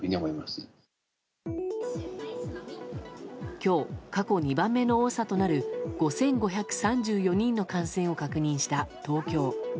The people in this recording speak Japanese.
今日、過去２番目の多さとなる５５３４人の感染を確認した東京。